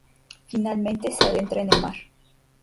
Finalmente se adentra en el mar.